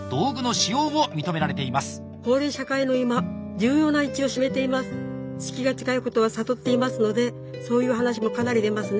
死期が近いことは悟っていますのでそういう話もかなり出ますね。